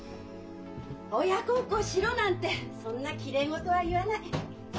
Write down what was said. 「親孝行しろ」なんてそんなきれい事は言わない。